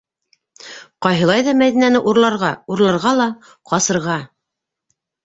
Ҡайһылай ҙа Мәҙинәне урларға, урларға ла ҡасырға!